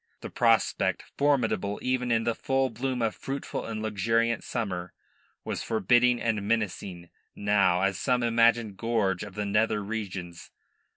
The prospect, formidable even in the full bloom of fruitful and luxuriant summer, was forbidding and menacing now as some imagined gorge of the nether regions.